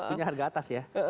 punya harga atas ya